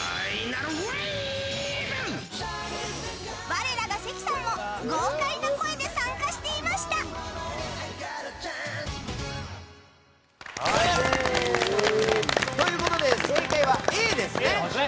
我らが関さんも豪快な声で参加していました！ということで正解はＡですね。